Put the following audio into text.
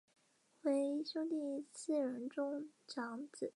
为兄弟四人中长子。